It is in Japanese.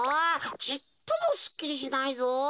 ちっともすっきりしないぞ。